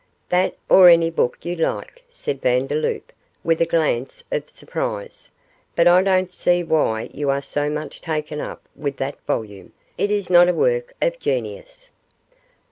'That or any book you like,' said Vandeloup, with a glance of surprise; 'but I don't see why you are so much taken up with that volume; it is not a work of genius.